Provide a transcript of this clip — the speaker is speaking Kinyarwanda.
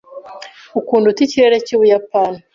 Ukunda ute ikirere cy'Ubuyapani?